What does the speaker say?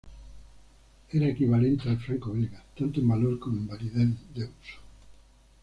Era equivalente al franco belga, tanto en valor como en validez de uso.